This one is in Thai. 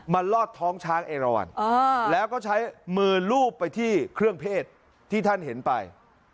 ลอดท้องช้างเอราวันแล้วก็ใช้มือลูบไปที่เครื่องเพศที่ท่านเห็นไป